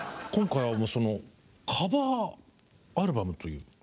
今回はカバーアルバムという。